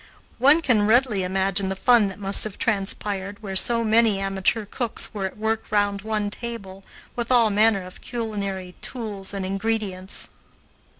One can readily imagine the fun that must have transpired where so many amateur cooks were at work round one table, with all manner of culinary tools and ingredients.